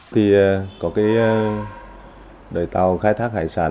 thì có cái đội tàu khai thác hải sản